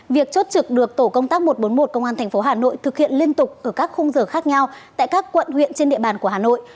việc chốt trực được tổ công tác một trăm bốn mươi một công an tp hà nội thực hiện liên tục ở các khung giờ khác nhau tại các quận huyện trên địa bàn của hà nội